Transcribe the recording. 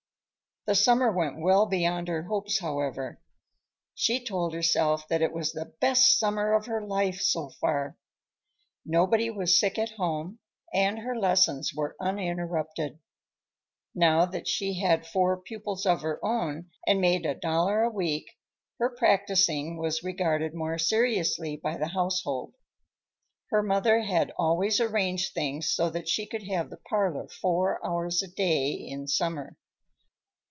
The summer went well beyond her hopes, however. She told herself that it was the best summer of her life, so far. Nobody was sick at home, and her lessons were uninterrupted. Now that she had four pupils of her own and made a dollar a week, her practicing was regarded more seriously by the household. Her mother had always arranged things so that she could have the parlor four hours a day in summer.